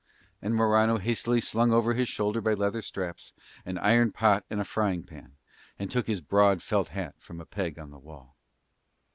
And Morano hastily slung over his shoulder by leather straps an iron pot and a frying pan and took his broad felt hat from a peg on the wall.